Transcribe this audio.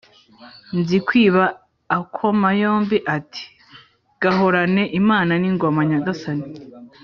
, Nzikwiba akoma yombi ati: "Gahorane Imana n' ingoma Nyagasani"